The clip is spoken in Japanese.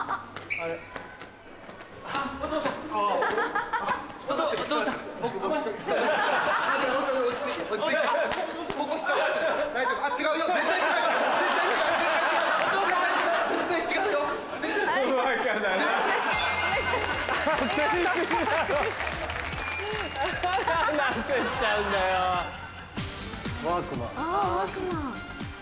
あぁワークマン。